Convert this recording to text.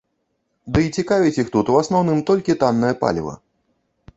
Ды і цікавіць іх тут, у асноўным, толькі таннае паліва.